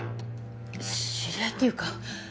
知り合いっていうか